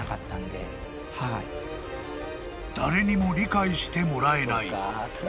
［誰にも理解してもらえない］